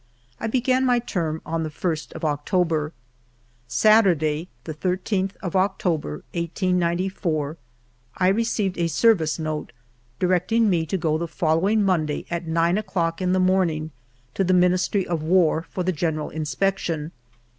I began my term on the ist of October. Sat urday, the 13th of October, 1894, I received a service note directing me to go the following Monday, at nine o'clock in the morning, to the Ministry of War for the general inspection.